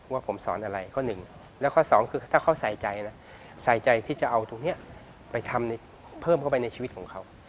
ว่าผมสอนอะไรข้อหนึ่งแล้วก็สองคือถ้าเขาใส่ใจนะใส่ใจที่จะเอาตรงนี้ไปทำเพิ่มเข้าไปในชีวิตของเขา